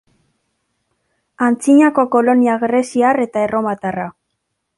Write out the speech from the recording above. Antzinako kolonia greziar eta erromatarra.